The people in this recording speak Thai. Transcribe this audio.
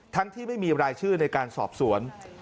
ที่ไม่มีรายชื่อในการสอบสวน